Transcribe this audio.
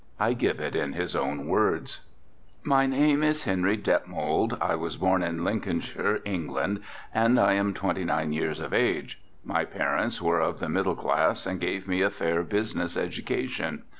I give it in his own words: My name is Henry Detmold, I was born in Lincolnshire, England, and I am twenty nine years of age. My parents were of the middle class and gave me a fair business education.